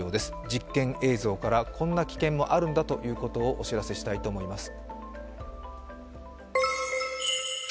実験映像からこんな危険もあるんだということをお知らせしたいと思います。